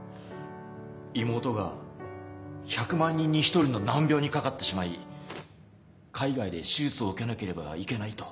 妹が１００万人に１人の難病にかかってしまい海外で手術を受けなければいけないと」。